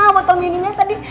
botol minumnya tadi